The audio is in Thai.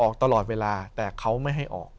ออกตลอดเวลาแต่เขาไม่ให้ออก